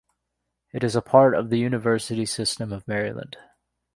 It is a part of the University System of Maryland.